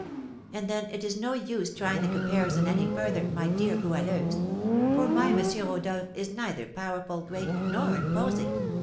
"Ah, then, it is no use trying the comparison any further, my dear Goualeuse; for my M. Rodolph is neither powerful, great, nor imposing.